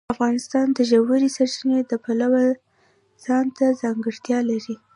افغانستان د ژورې سرچینې د پلوه ځانته ځانګړتیا لري.